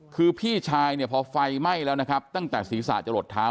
คือพี่ชายเนี่ยพอไฟไหม้แล้วนะครับตั้งแต่ศีรษะจะหลดเท้า